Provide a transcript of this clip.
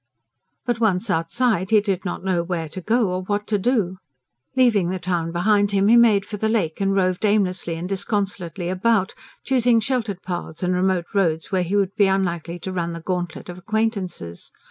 But once outside he did not know where to go or what to do. Leaving the town behind him he made for the Lake, and roved aimlessly and disconsolately about, choosing sheltered paths and remote roads where he would be unlikely to run the gauntlet of acquaintances.